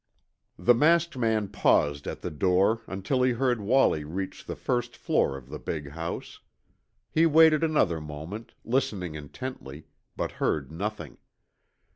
The masked man paused at the door until he heard Wallie reach the first floor of the big house. He waited another moment, listening intently, but heard nothing.